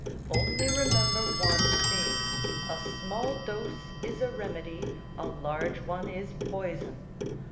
"Only remember one thing—a small dose is a remedy, a large one is poison.